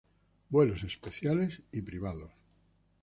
Vuelos especiales y privados.